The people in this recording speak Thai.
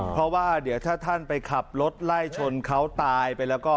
เพราะว่าเดี๋ยวถ้าท่านไปขับรถไล่ชนเขาตายไปแล้วก็